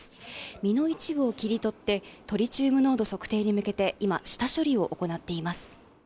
身の一部を切り取ってトリチウム濃度測定に向けて今、下処理を行っています。